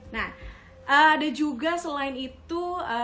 nah ada juga selain itu